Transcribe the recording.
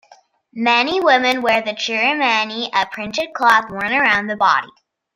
Many women wear the "chirumani", a printed cloth worn around the body.